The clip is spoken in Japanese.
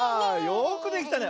よくできたね。